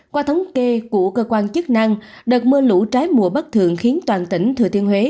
qua thống kê của cơ quan chức năng đợt mưa lũ trái mùa bất thường khiến toàn tỉnh thừa thiên huế